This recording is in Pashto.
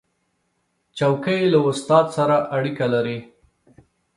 چوکۍ له استاد سره اړیکه لري.